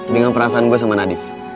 dengan perasaan gue sama nadif